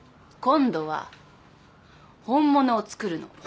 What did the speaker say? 今度は本物を作るの。